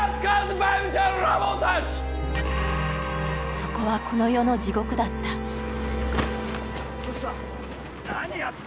そこはこの世の地獄だったどうした？